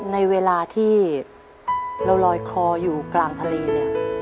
ในเวลาที่เราลอยคออยู่กลางทะเลเนี่ย